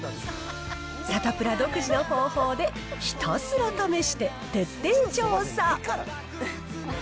サタプラ独自の方法で、ひたすら試して徹底調査。